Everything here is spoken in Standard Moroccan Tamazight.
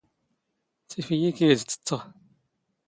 ⵜⵉⴼⵢⵢⵉ ⴽⴰ ⴰⵢⴷ ⵜⵜⴻⵜⵜⵖ.